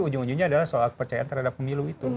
ujung ujungnya adalah soal kepercayaan terhadap pemilu itu